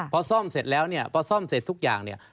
พอซ่อมเสร็จแล้วเนี่ยพอซ่อมเสร็จทุกอย่างเนี่ย